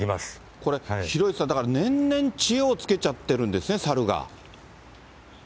これ広石さん、年々知恵をつけちゃっているんですね、サルが。